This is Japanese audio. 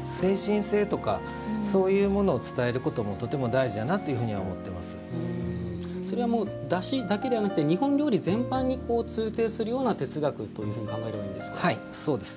精神性とかそういうものを伝えることもとても大事やなというふうにそれはだしだけではなくて日本料理全般に通底するような哲学というふうにはい、そうです。